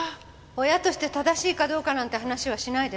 親として正しいかどうかなんて話はしないでね。